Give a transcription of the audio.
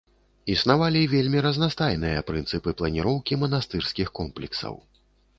Існавалі вельмі разнастайныя прынцыпы планіроўкі манастырскіх комплексаў.